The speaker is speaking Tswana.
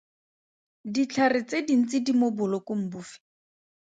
Ditlhare tse dintsi di mo bolokong bofe?